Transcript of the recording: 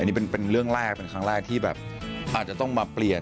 นี่เป็นเรื่องแรกเป็นครั้งแรกที่แบบอาจจะต้องมาเปลี่ยน